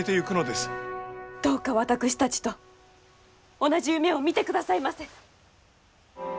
どうか私たちと同じ夢を見てくださいませ。